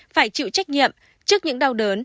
phải chịu trách nhiệm trước những đau đớn